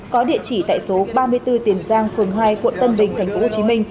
có địa chỉ tại số ba mươi bốn tiền giang phường hai quận tân bình tp hcm